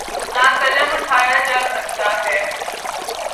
نہ قلم اٹھایا جا سکتا ہے۔